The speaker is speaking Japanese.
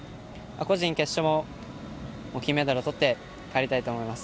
個人決勝も金メダルをとって帰りたいと思います。